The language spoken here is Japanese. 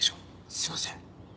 すいません。